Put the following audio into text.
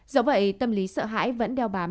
dẫu vậy tâm lý sợ hãi vẫn đeo bám